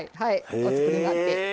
お作りになって。